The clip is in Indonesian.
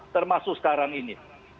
termasuk sekarang ini